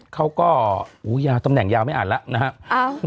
เค้าก็ตำแหน่งยาวไม่อ่านละนะฮะ